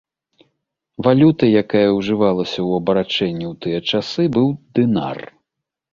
Валютай, якая ўжывалася ў абарачэнні ў тыя часы, быў дынар.